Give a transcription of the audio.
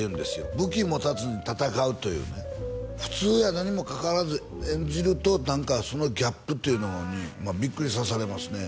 武器持たずに戦うというね普通やのにもかかわらず演じると何かそのギャップというのにビックリさせられますね